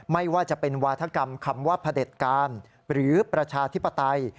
ไม่ว่าจะเป็นวาธกรรมคำว่าพระเด็จการหรือประชาธิปไตย